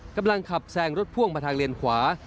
กำลังขับแซงรถพ่วงมาทางเลนขวา